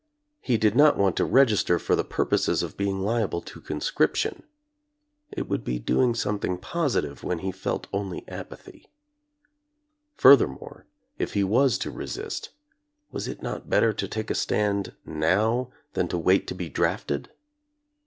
He did not want to register for the purposes of being liable to conscription. It would be doing something positive when he felt only apathy. Furthermore, if he was to resist, was it not better to take a stand now than to wait to be drafted?